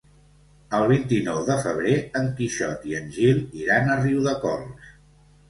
El vint-i-nou de febrer en Quixot i en Gil iran a Riudecols.